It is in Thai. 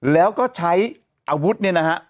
แล้วก็ใช้อาวุธเนี่ยนะฮะ